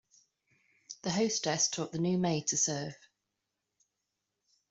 The hostess taught the new maid to serve.